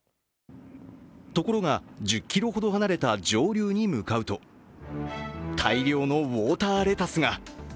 ところが、１０ｋｍほど離れた上流に向かうと大量のウォーターレタスが。